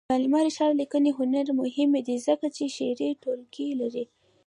د علامه رشاد لیکنی هنر مهم دی ځکه چې شعري ټولګې لري.